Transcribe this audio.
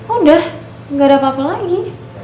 udah gak ada apa apa lagi